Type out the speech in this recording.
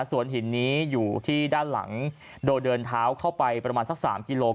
ส่วนหินนี้อยู่ที่ด้านหลังโดยเดินเท้าเข้าไปประมาณสัก๓กิโล